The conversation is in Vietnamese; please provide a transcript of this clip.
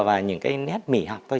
và những cái nét mỉ hạt thôi